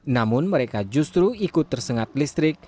namun mereka justru ikut tersengat listrik